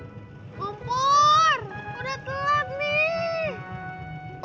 udah telat nih